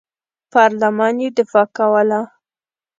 پارلمان یې دفاع کوله.